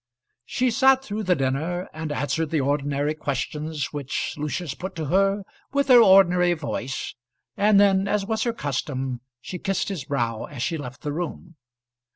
She sat through the dinner, and answered the ordinary questions which Lucius put to her with her ordinary voice, and then, as was her custom, she kissed his brow as she left the room.